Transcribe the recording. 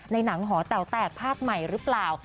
หนังหอแต๋วแตกภาคใหม่หรือเปล่า